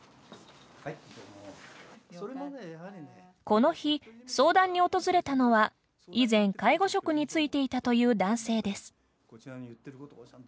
この日、相談に訪れたのは以前、介護職に就いていたという男性です。